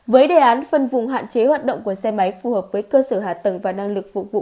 với đề án phân vùng hạn chế hoạt động của xe máy phù hợp với cơ sở hạ tầng và năng lực phục vụ